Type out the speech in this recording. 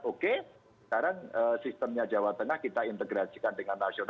oke sekarang sistemnya jawa tengah kita integrasikan dengan nasional